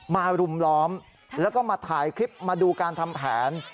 รุมล้อมแล้วก็มาถ่ายคลิปมาดูการทำแผน